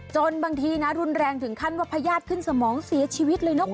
บางทีนะรุนแรงถึงขั้นว่าพญาติขึ้นสมองเสียชีวิตเลยนะคุณ